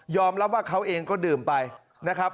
รับว่าเขาเองก็ดื่มไปนะครับ